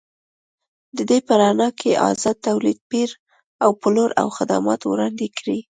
د دې په رڼا کې ازاد تولید، پېر او پلور او خدمات وړاندې کړي.